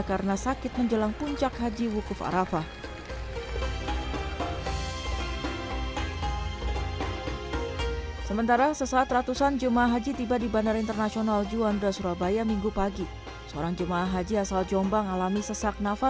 ya akan berosok